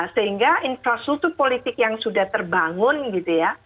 sehingga infrastruktur politik yang sudah terbangun gitu ya